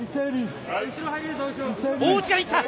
大内刈りいった！